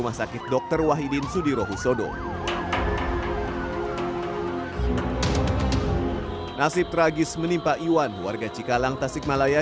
tahu saya mimpisi tahu pak dari sebelah kiri tahu saya